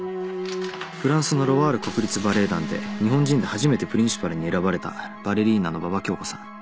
フランスのロワール国立バレエ団で日本人で初めてプリンシパルに選ばれたバレリーナの馬場恭子さん。